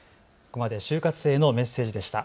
ここまで就活生へのメッセージでした。